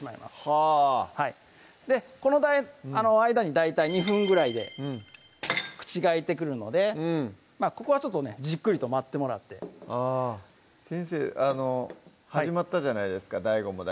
はぁこの間に大体２分ぐらいで口が開いてくるのでここはちょっとねじっくりと待ってもらって先生始まったじゃないですか